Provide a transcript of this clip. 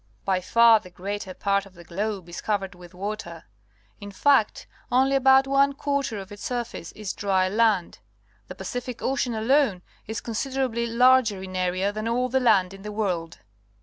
By far the greater part of the globe is covered with water. In fact, only about one quarter of its surface is dry land. The Pacific Ocean alone is considerably larger in area than all the land in the world.